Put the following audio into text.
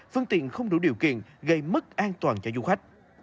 phương tiện không đủ điều kiện gây mất an toàn cho du khách